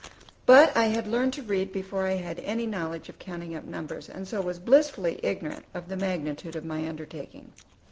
But I had learned to read before I had any knowledge of counting up numbers, and so was blissfully ignorant of the magnitude of my undertaking.